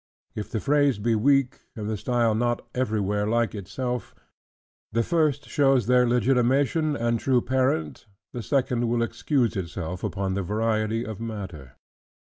If the phrase be weak, and the style not everywhere like itself: the first shows their legitimation and true parent; the second will excuse itself upon the variety of matter.